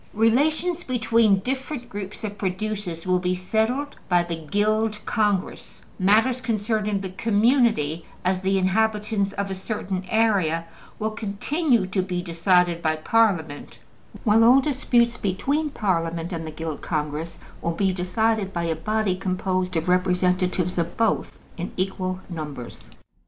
Relations between different groups of producers will be settled by the Guild Congress, matters concerning the community as the inhabitants of a certain area will continue to be decided by Parliament, while all disputes between Parliament and the Guild Congress will be decided by a body composed of representatives of both in equal numbers.